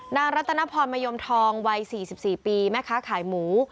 รัตนพรมะยมทองวัย๔๔ปีแม่ค้าขายหมู